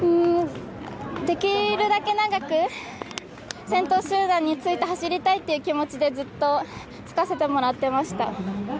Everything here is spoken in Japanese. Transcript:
できるだけ長く、先頭集団について走りたいという気持ちで、ずっとつかせてもらっていました。